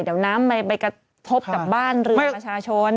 เดี๋ยวน้ำไปกระทบกับบ้านเรือนประชาชน